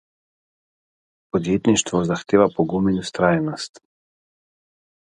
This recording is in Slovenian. Podjetništvo zahteva pogum in vztrajnost.